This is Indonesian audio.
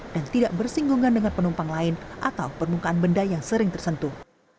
dan tidak bersinggungan dengan penumpang lain atau permukaan benda yang sering tersentuh